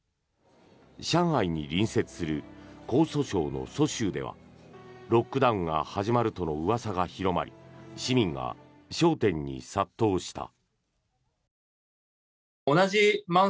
上海に隣接する江蘇省の蘇州ではロックダウンが始まるとのうわさが広まり市民が商店に殺到した。